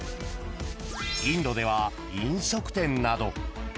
［インドでは飲食店など］